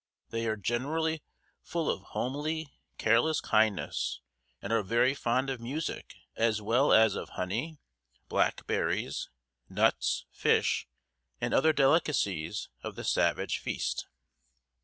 They are generally full of homely, careless kindness, and are very fond of music as well as of honey, blackberries, nuts, fish and other delicacies of the savage feast.